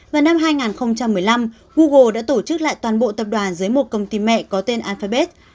vào năm hai nghìn một mươi năm google đã tổ chức lại toàn bộ tập đoàn dưới một công ty mẹ có tên alfrebass